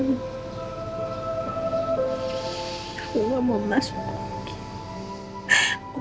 aku gak mau masuk